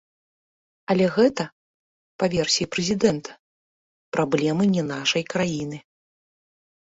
Але гэта, па версіі прэзідэнта, праблемы не нашай краіны.